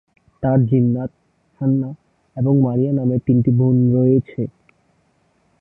তার জিনাত, হান্নাহ এবং মারিয়া নামের তিনটি বোন রয়েছে।